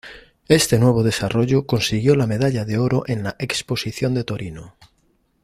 Este nuevo desarrollo consiguió la medalla de oro en la exposición de Torino.